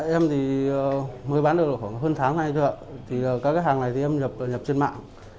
em mới bán được khoảng hơn tháng nay rồi ạ các hàng này em nhập trên mạng